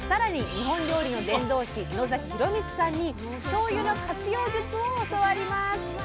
日本料理の伝道師野洋光さんにしょうゆの活用術を教わります。